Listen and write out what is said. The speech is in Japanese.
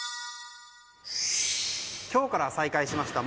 今日から再開しました